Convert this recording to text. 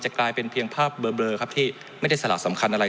กลายเป็นเพียงภาพเบลอครับที่ไม่ได้สละสำคัญอะไร